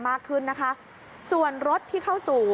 มากขึ้นนะคะส่วนรถที่เข้าสู่